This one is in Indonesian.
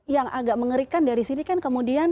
yang agak mengerikan dari sini kan kemudian